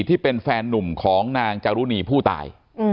ที่เป็นแฟนนุ่มของนางจารุณีผู้ตาย